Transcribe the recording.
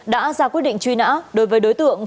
đã ra quyết định truy nã đối với đối tượng